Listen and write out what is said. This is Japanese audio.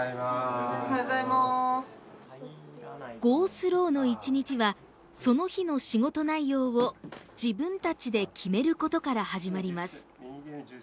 ゴー・スローの一日はその日の仕事内容を自分たちで決めることから始まります。